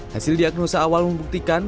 hasil diagnosa awal membuktikan